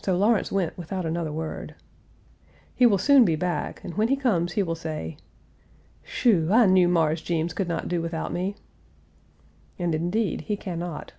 So Lawrence went without another word. He will soon be back, and when he comes will say, "Shoo!! I knew Mars Jeems could not do without me." And indeed he can not.